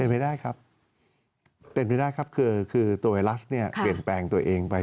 เป็นไปได้ครับเป็นไปได้ครับคือตัวไวรัสเนี่ยเปลี่ยนแปลงตัวเองไป